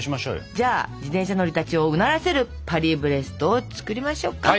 じゃあ自転車乗りたちをうならせるパリブレストを作りましょうか。